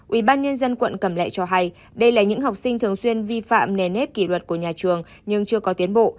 ủy ban nhân dân quận cẩm lệ cho hay đây là những học sinh thường xuyên vi phạm nề nếp kỷ luật của nhà trường nhưng chưa có tiến bộ